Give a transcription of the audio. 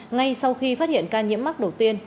ngay sau khi phát hiện ca nhiễm mắc đầu tiên